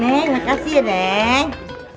neng makasih ya neng